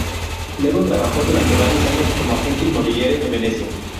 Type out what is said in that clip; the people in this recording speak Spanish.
Luego trabajó durante varios años como agente inmobiliaria en Venecia.